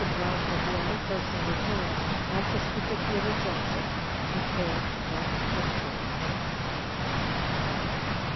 Brant was the only person with whom, at this particular juncture, he cared to talk of George.